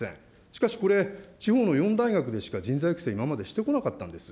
しかしこれ、地方の４大学でしか人材育成、今までしてこなかったんです。